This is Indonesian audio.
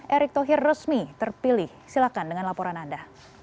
erick thohir resmi terpilih silahkan dengan laporan anda